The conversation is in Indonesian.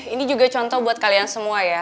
ini juga contoh buat kalian semua ya